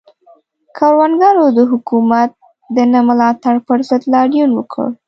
کروندګرو د حکومت د نه ملاتړ پر ضد لاریون وکړ.